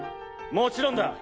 もちろんだ。